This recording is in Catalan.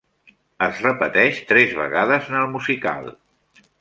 Es repeteix tres vegades en el musical.